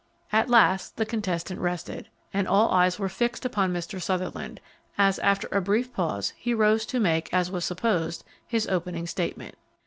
At last the contestant rested, and all eyes were fixed upon Mr. Sutherland, as, after a brief pause, he rose to make, as was supposed, his opening statement.